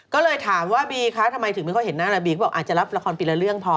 ก็เลยถามว่าบีคะทำไมถึงไม่ค่อยเห็นหน้านาบีก็บอกอาจจะรับละครปีละเรื่องพอ